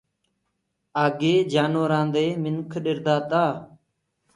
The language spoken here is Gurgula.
آگي جآنورآن دي منک ڏردآ تآ